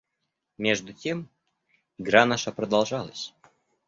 Между тем игра наша продолжалась.